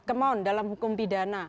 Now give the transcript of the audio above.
come on dalam hukum pidana